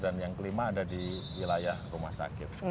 dan yang kelima ada di wilayah rumah sakit